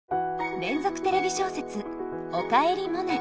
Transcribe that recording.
連続テレビ小説「おかえりモネ」。